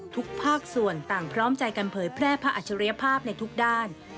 ทุกภาคส่วนต่างพร้อมใจกันเผยแพร่พระอัจฉริยภาพในทุกด้าน